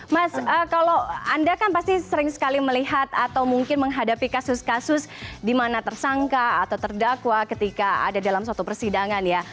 mas kalau anda kan pasti sering sekali melihat atau mungkin menghadapi kasus kasus di mana tersangka atau terdakwa ketika ada dalam suatu persidangan ya